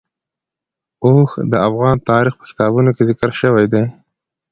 اوښ د افغان تاریخ په کتابونو کې ذکر شوی دی.